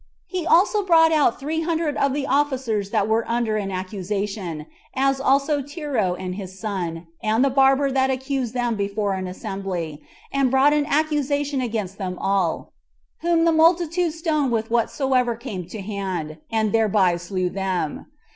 He also brought out three hundred of the officers that were under an accusation, as also Tero and his son, and the barber that accused them before an assembly, and brought an accusation against them all; whom the multitude stoned with whatsoever came to hand, and thereby slew them.